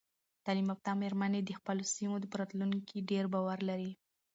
تعلیم یافته میرمنې د خپلو سیمو په راتلونکي ډیر باور لري.